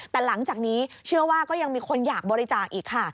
แต่หลังจากนี้เชื่อว่าก็ยังมีคนอยากบริจาคอีกค่ะ